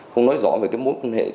không nói rõ về mối quan hệ